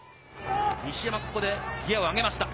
西山、ここでギアを上げました。